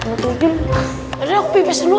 nanti aku pibis dulu